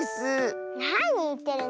なにいってるの。